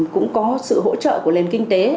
cũng có sự hỗ trợ của liên kinh tế